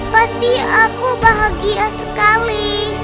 pasti aku bahagia sekali